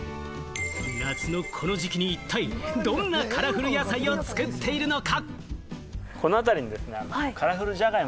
夏のこの時期に一体どんなカラフル野菜を作っているのか。